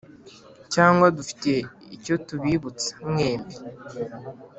cyangwa dufite icyo tubibutsa mwembi.